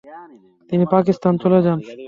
তিনি পাকিস্তান চলে যান।